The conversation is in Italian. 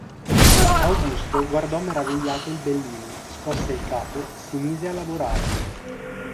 Augusto guardò meravigliato il Bellini, scosse il capo, si mise a lavorare.